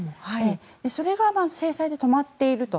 それが制裁で止まっていると。